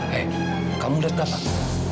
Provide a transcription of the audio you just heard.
hei kamu lihat pak